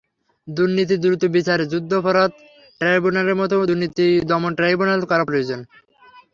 দুর্নীতির দ্রুত বিচারে যুদ্ধাপরাধ ট্রাইব্যুনালের মতো দুর্নীতি দমন ট্রাইব্যুনাল করা প্রয়োজন।